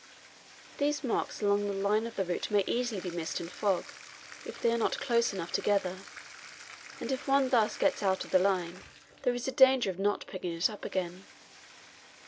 These marks along the line of the route may easily be missed in fog, if they are not close enough together; and if one thus gets out of the line, there is a danger of not picking it up again.